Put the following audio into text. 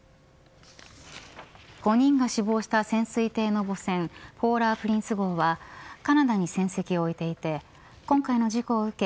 ５人が死亡した潜水艇の母船ポーラー・プリンス号はカナダに船籍を置いていて今回の事故を受け